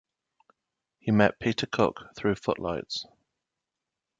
He met Peter Cook through "Footlights".